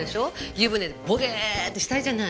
湯船でボケッとしたいじゃない。